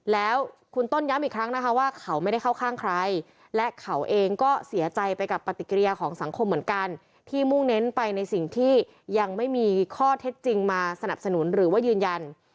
แล้วคุณต้นย้ำอีกครั้งนะคะว่าเขาไม่ได้เข้าข้างใครและเขาเองก็เสียใจไปกับปฏิกิริยาของสังคมเหมือนกันที่มุ่งเน้นไปในสิ่งที่ยังไม่มีข้อเท็จจริงมาสนับสนุนหรือว่ายืนยัน